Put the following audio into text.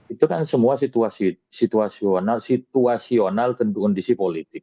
itu kan semua situasional kondisi politik